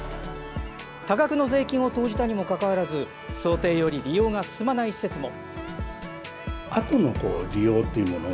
多額の税金を投じたにもかかわらず想定より利用が進まない施設も。